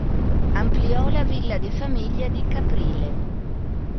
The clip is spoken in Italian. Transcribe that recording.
Ampliò la villa di famiglia di Caprile.